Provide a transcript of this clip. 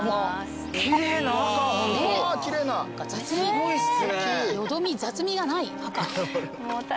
すごいっす。